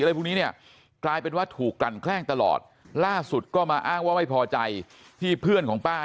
อะไรพวกนี้เนี่ยกลายเป็นว่าถูกกลั่นแกล้งตลอดล่าสุดก็มาอ้างว่าไม่พอใจที่เพื่อนของป้า